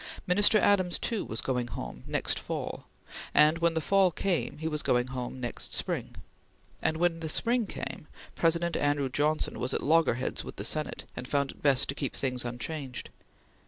Minister Adams, too, was going home "next fall," and when the fall came, he was going home "next spring," and when the spring came, President Andrew Johnson was at loggerheads with the Senate, and found it best to keep things unchanged.